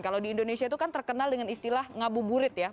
kalau di indonesia itu kan terkenal dengan istilah ngabuburit ya